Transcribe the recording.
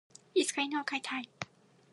いつか犬を飼いたい。